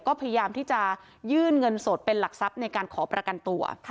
ก็พยายามที่จะยื่นเงินสดเป็นหลักทรัพย์ในการขอประกันตัว